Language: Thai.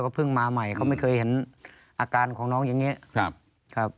เพิ่งมาใหม่เขาไม่เคยเห็นอาการของน้องอย่างนี้ครับ